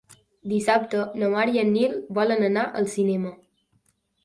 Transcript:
Dissabte na Mar i en Nil volen anar al cinema.